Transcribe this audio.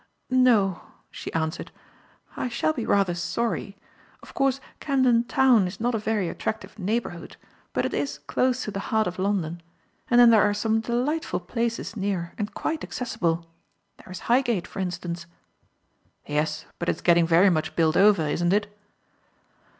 "No," she answered, "I shall be rather sorry. Of course Camden Town is not a very attractive neighbourhood, but it is close to the heart of London; and then there are some delightful places near and quite accessible. There is Highgate, for instance." "Yes; but it is getting very much built over, isn't it?"